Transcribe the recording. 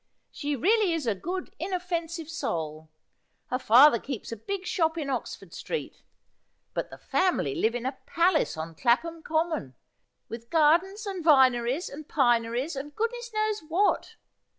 She really is a good inoffensive soul. Her father keeps a big shop in Oxford Street ; but the family live in a palace on Clapham Common, with gardens, and vineries, and pineries, and goodness knows what..